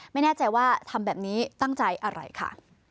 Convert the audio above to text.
ไม่แน่ใจว่าทำแบบนี้ตั้งใจอะไรค่ะ